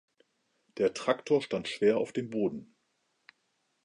Der Traktor stand schwer auf dem Boden.